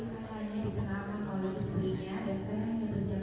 saya tidak pernah mendengar